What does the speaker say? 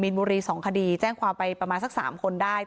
มีนบุรี๒คดีแจ้งความไปประมาณสัก๓คนได้